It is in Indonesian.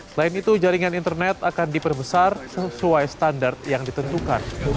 selain itu jaringan internet akan diperbesar sesuai standar yang ditentukan